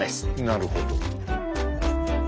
なるほど。